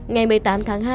ngày một mươi tám tháng